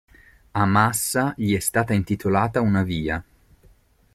A Massa gli è stata intitolata una via.